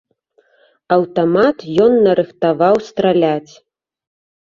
Аўтамат ён нарыхтаваў страляць.